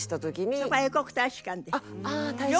そこは英国大使館で。